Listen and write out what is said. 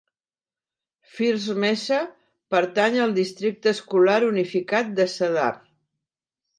First Mesa pertany al districte escolar unificat de Cedar.